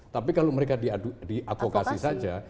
tapi kalau mereka diadvokasi saja